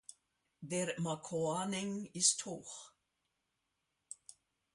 Der Makoaneng ist hoch.